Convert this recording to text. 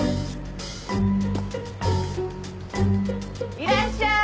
いらっしゃーい！